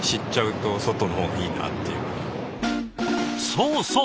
そうそう。